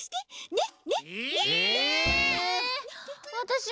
ねっ。